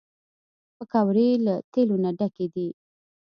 پکورې له تیلو نه ډکې دي